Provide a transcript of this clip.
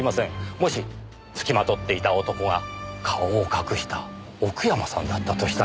もしつきまとっていた男が顔を隠した奥山さんだったとしたら？